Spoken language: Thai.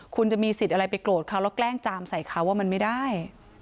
คุณจะมีสิทธิ์อะไรไปโกรธเขาแล้วแกล้งจามใส่เขาว่ามันไม่ได้